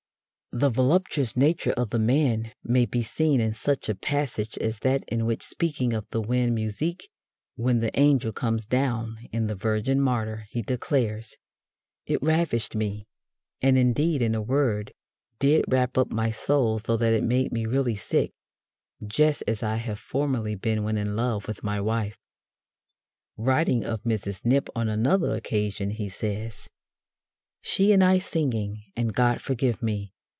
The voluptuous nature of the man may be seen in such a passage as that in which, speaking of "the wind musique when the angel comes down" in The Virgin Martyr, he declares: It ravished me, and indeed, in a word, did wrap up my soul so that it made me really sick, just as I have formerly been when in love with my wife. Writing of Mrs. Knipp on another occasion, he says: She and I singing, and God forgive me!